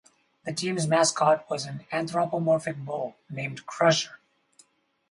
The team's mascot was an anthropomorphic bull named Crusher.